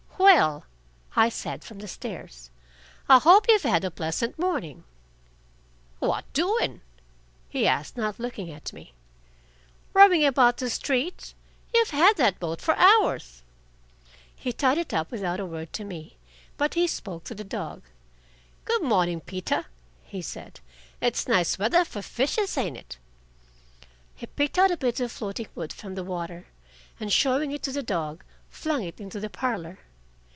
"Well," I said, from the stairs, "I hope you've had a pleasant morning." "What doing?" he asked, not looking at me. "Rowing about the streets. You've had that boat for hours." He tied it up without a word to me, but he spoke to the dog. "Good morning, Peter," he said. "It's nice weather for fishes, ain't it?" He picked out a bit of floating wood from the water, and showing it to the dog, flung it into the parlor.